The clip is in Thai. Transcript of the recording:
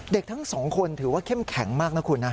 เด็กทั้งสองคนถือว่าเข้มแข็งมากนะคุณนะ